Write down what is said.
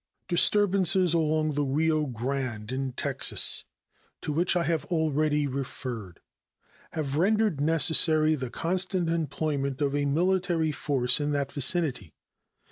Disturbances along the Rio Grande in Texas, to which I have already referred, have rendered necessary the constant employment of a military force in that vicinity.